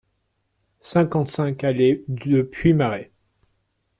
cinquante-cinq allée de Puymaret